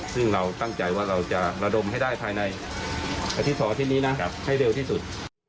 ซึ่งเราตั้งใจว่าเราจะระดมให้ได้ภายในอาทิตย์๒อาทิตย์นี้นะให้เร็วที่สุด